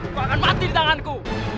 aku akan mati di tanganku